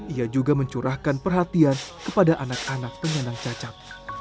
ia juga mencurahkan perhatian kepada anak anak penyandang cacat